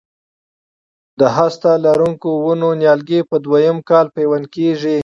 د هسته لرونکو ونو نیالګي په دوه یم کال پیوند کېږي.